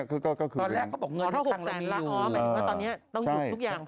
อ๋อเมื่อตอนนี้ต้องยุคทุกอย่าง